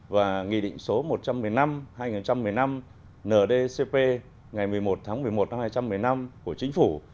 và nghị định số một trăm một mươi năm hai nghìn một mươi năm ndcp ngày một mươi một tháng một mươi một năm hai nghìn một mươi năm của chính phủ